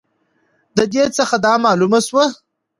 د دې څخه دا معلومه سوه